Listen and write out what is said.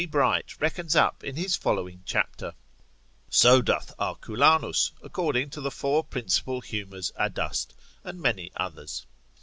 Bright reckons up in his following chapter. So doth Arculanus, according to the four principal humours adust, and many others.